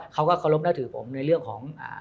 เขาก็เคารพนับถือผมในเรื่องของ